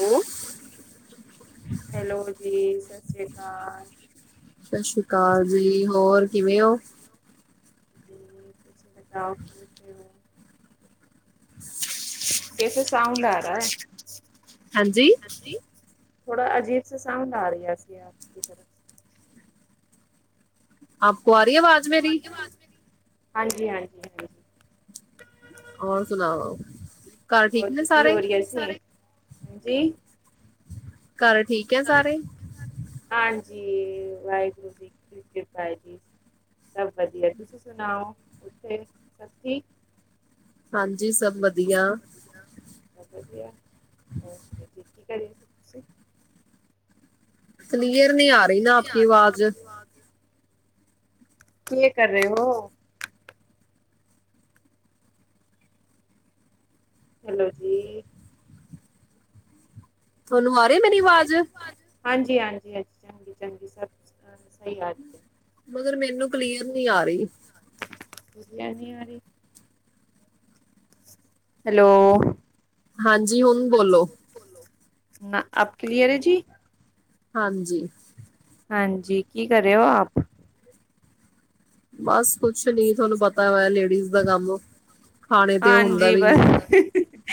Hello hello ਜੀ ਸਤਿ ਸ੍ਰੀ ਅਕਾਲ ਸਤਿ ਸ੍ਰੀ ਅਕਾਲ ਜੀ ਹੋਰ ਕਿਵੇਂ ਹੋ ਜੀ ਤੁਸੀਂ ਸੁਨਾਓ ਕਿਵੇਂ ਹੋ ਕੈਸੇ ਸਾਉਡ ਆ ਰਿਹਾ ਹੈ ਹਾਂਜੀ ਥੋੜਾ ਅਜੀਬ ਸਾ ਸਾਊਂਡ ਆ ਰਿਹਾ ਸੀਂ ਆਪ ਕੀ ਤਰਫ ਆਪ ਕੋ ਆ ਰਹੀ ਆਵਾਜ਼ ਮੇਰੀ ਹਾਂਜੀ ਹਾਂਜੀ ਹੋਰ ਸੁਣਾਓ ਘਰ ਹੋਰ ਠੀਕ ਨੇ ਜੀ ਕੀ ਸਾਰੇ ਹੋ ਰਹੀ ਸੀ? ਜੀ ਘਰ ਠੀਕ ਐ ਸਾਰੇ ਜੀ ਵਾਹਿਗੁਰੂ ਜੀ ਦੀ ਕਿਰਪਾ ਹੈ ਜੀ ਸਭ ਵਧੀਆ ਤੁਸੀਂ ਸੁਣਾਓ ਉੱਥੇ ਸਭ ਠੀਕ ਹਾਂਜੀ ਸਭ ਵਧੀਆ ਸਭ ਓਕੇ ਜੀ ਕੀ ਕਰ ਰਹੇ ਸੀ ਤੁਸੀਂ ਸਲੀਪ ਕਲੀਅਰ ਨਹੀਂ ਆ ਰਹੀ ਨਾ ਆਪ ਕੀ ਆਵਾਜ਼ ਕਿ ਕਰ ਰਹੇ ਹੋ ਹੈਲੋ ਜੀ ਤੁਹਾਨੂੰ ਆ ਰਹੀ ਮੇਰੀ ਆਵਾਜ਼ ਹਾਂਜੀ ਹਾਂਜੀ ਹਾਂਜੀ ਚੰਗੀ ਚੰਗੀ ਸਭ ਸਹੀ ਆ ਰਹੀ ਹੈ ਮਗਰ ਮੈਨੂੰ ਕਲੀਅਰ ਨਹੀਂ ਆ ਰਹੀ ਕਲੀਅਰ ਨਹੀਂ ਆਰੀ ਹੈਲੋ ਹਾਂਜੀ ਹੁਣ ਬੋਲੋ ਨਾ ਅਬ ਕਲੀਅਰ ਐ ਜੀ ਹਾਂਜੀ ਹਾਂਜੀ ਕੀ ਕਰ ਰਹੇ ਹੋ ਆਪ ਬਸ ਕੁਛ ਨੀ ਤੁਹਾਨੂੰ ਪਤਾ ਵਾ ਲੇਡੀਜ਼ ਬ ਕਮ ਖਾਣੇ ਤੇ ਉਹ ਹੁੰਦਾ ਹਾਂਜੀ ਵੀ ਬਸ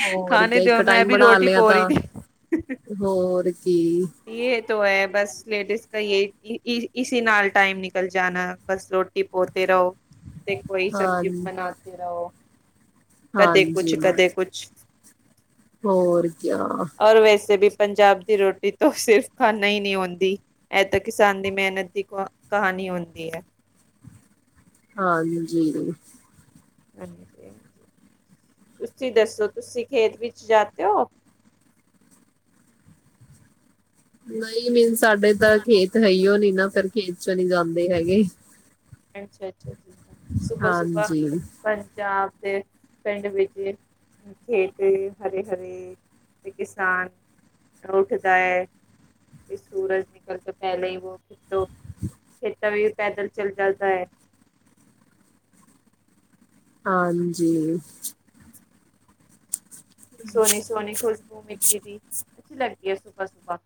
ਹੋਰ ਖਾਣੇ ਕਿਆ ਇੱਕ ਦਿਓ ਮੈਂ ਟਾਈਮ ਵੀ ਬਣਾ ਰੋਟੀ ਲਿਆ ਪੋ ਰਹੀ ਤਾਂ ਥੀ ਹੋਰ ਕੀ ਤੋਂ ਹੈ ਬਸ ਲੇਡੀਜ਼ ਕ ਯਈ ਇਸੀ ਨਾਲ ਟਾਈਮ ਨਿਕਲ ਜਾਣਾ ਬਸ ਰੋਟੀ ਪੋਤੇ ਰਹੋ ਤੇ ਕੋਈ ਹਾਂ ਸਬਜ਼ੀ ਬਣਾਦੇ ਰਹੋ ਕਦੇ ਕੁਛ ਕਦੇ ਕੁਛ ਹੋਰਕਿਆ ਔਰ ਵੈਸੇ ਵੀ ਪੰਜਾਬ ਦੀ ਰੋਟੀ ਤੋਂ ਸਿਰਫ਼ ਖਾਨਣਾ ਹੀ ਨਹੀਂ ਆਉਂਦੀ ਇਹ ਤਾਂ ਕਿਸਾਨ ਦੀ ਮਿਹਨਤ ਦੀ ਕਹਾਣੀ ਹੁੰਦੀ ਹੈ ਹਾਂਜੀ ਹਾਂਜੀ ਤੁਸੀਂ ਦੱਸੋ ਤੁਸੀਂ ਖੇਤ ਵਿਚ ਜਾਤੇ ਹੋ ਨਹੀਂ ਸਾਡੇ ਮੀਨ ਤਾਂ ਸਾਡੇ ਖੇਤ ਹੈ ਹੀਓ ਨੀ ਹੈ ਨਾ ਹੀ ਉਹ ਫਿਰ ਨਹੀਂ ਨਾ ਖੇਤ ਚੋਂ ਨੀ ਚ ਜਾਂਦੀ ਅਦੇ ਨਹੀਂ ਹੈਗੇ ਜਾਂਦੇ ਅੱਛਾ- ਅੱਛਾ ਜੀ ਸੁਬ ਸੁਬਾਹ ਹਾਂਜੀ ਪੰਜਾਬ ਦੇ ਪਿੰਡ ਵਿੱਚ ਖੇਤ ਹਰੇ -ਹਰੇ ਤੇ ਕਿਸਾਨ ਉੱਠਦਾ ਹੈ ਤੇ ਸੂਰਜ ਨਿਕਲ ਕੇ ਪਹਿਲਾਂ ਹੀ ਵ ਖੇਤੋਂ ਖੇਤਾਂ ਵੀ ਪੈਦਲ ਚੱਲ ਜਾਂ ਹੈ ਹਾਂਜ ਸੋਨੀ ਸੋਨੀ ਖੁਸ਼ਬੂ ਮਿਟੀ ਦੀ ਅੱਛੀ ਲੱਗਦੀ ਹੈ ਸੁਬਾਹ -ਸੁਬਾਹ